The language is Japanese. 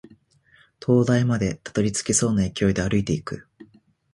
灯台までたどり着けそうな勢いで歩いていく